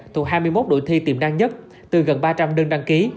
thuộc hai mươi một đội thi tiềm năng nhất từ gần ba trăm linh đơn đăng ký